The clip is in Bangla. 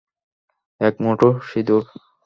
এক মুঠো সিঁদুর।